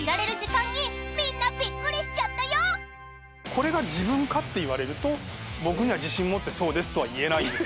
これが自分かって言われると僕には自信持ってそうですとは言えないです。